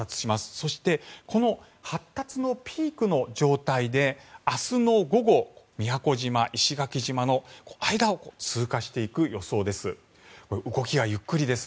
そしてこの発達のピークの状態で明日の午後宮古島、石垣島の間を通過していく予想です。